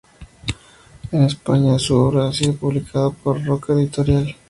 En España, su obra ha sido publicada por Roca Editorial.